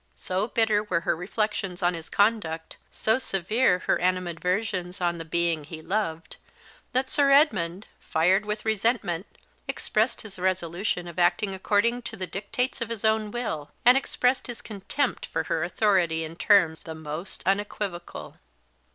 So bitter were her reflections on his conduct, so severe her animadversions on the being he loved, that Sir Edmund, fired with resentment, expressed his resolution of acting according to the dictates of his own will; and expressed his contempt for her authority in terms the most unequivocal.